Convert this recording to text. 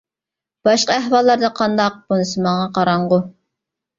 باشقا ئەھۋاللاردا قانداق، بۇنىسى ماڭا قاراڭغۇ.